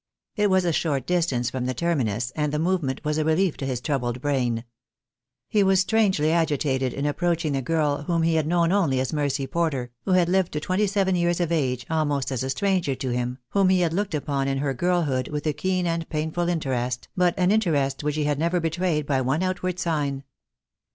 It was a short distance from the terminus, and the movement was a relief to his troubled brain. He was strangely agitated in approaching the girl whom he had known only as Mercy Porter, who had lived to twenty seven years of age, almost as a stranger to him, whom he had looked upon in her girlhood with a keen and painful interest, but an interest which he had never betrayed by one outward sign.